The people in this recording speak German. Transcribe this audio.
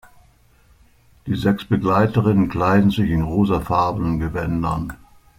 Die sechs Begleiterinnen kleiden sich in rosafarbenen Gewändern.